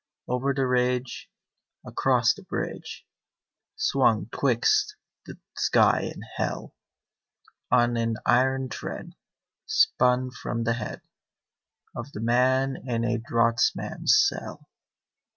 Over the ridge, Across the bridge, Swung twixt the sky and hell, On an iron thread Spun from the head Of the man in a draughtsman's cell.